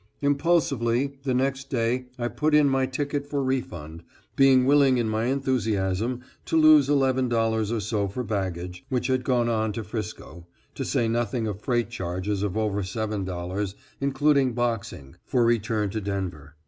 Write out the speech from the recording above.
Impulsively the next day I put in my ticket for refund, being willing in my enthusiasm to lose $11 or so for baggage, which had gone on to Frisco, to say nothing of freight charges of over $7, including boxing, for return to Denver.